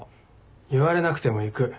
言われなくても行く。